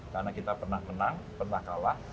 karena kita pernah menang pernah kalah